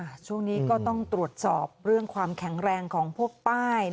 ช่วงนี้ก็ต้องตรวจสอบเรื่องความแข็งแรงของพวกป้าย